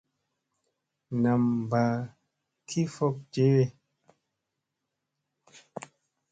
Nam mba ki fok jewe.